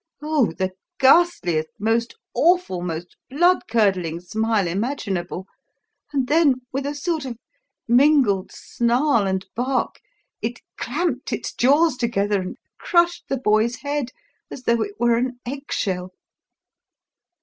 oh, the ghastliest, most awful, most blood curdling smile imaginable and then, with a sort of mingled snarl and bark, it clamped its jaws together and crushed the boy's head as though it were an egg shell!"